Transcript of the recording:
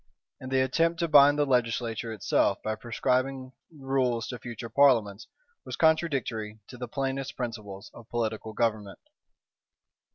And the attempt to bind the legislature itself, by prescribing rules to future parliaments, was contradictory to the plainest principles of political government.